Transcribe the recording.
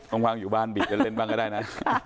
ว่างอยู่บ้านบีบกันเล่นบ้างก็ได้นะ